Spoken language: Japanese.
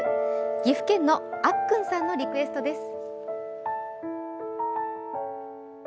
岐阜県のあっくんさんのリクエストです。